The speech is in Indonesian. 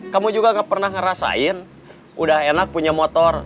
kamu juga gak pernah ngerasain udah enak punya motor